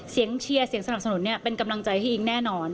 เชียร์เสียงสนับสนุนเป็นกำลังใจให้อิ๊งแน่นอน